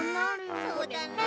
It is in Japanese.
そうだな。